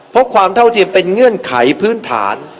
เพราะความเท่าเทียมเป็นเงื่อนไขพื้นฐาน